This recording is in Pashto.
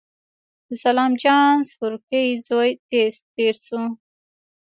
د سلام جان سورکی زوی تېز تېر شو.